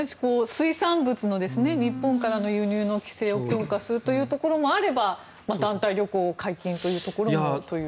水産物の日本からの輸入の規制を強化するというところもあれば団体旅行を解禁というところもという。